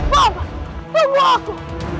bapak aku aku